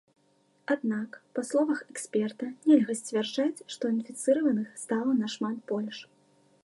Аднак, па словах эксперта, нельга сцвярджаць, што інфіцыраваных стала нашмат больш.